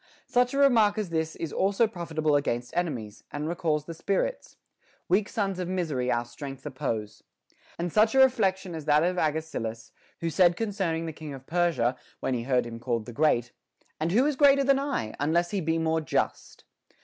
Such a remark as this is also profitable against enemies, and recalls the spirits : Weak sons of misery our strength oppose.t And such a reflection as that of Agesilaus, who said concerning the king of Persia, when he heard him called the Great : And who is greater than I, unless he be more just?